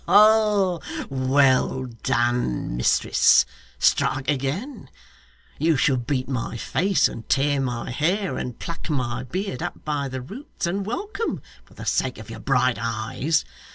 'Ha ha ha! Well done, mistress! Strike again. You shall beat my face, and tear my hair, and pluck my beard up by the roots, and welcome, for the sake of your bright eyes.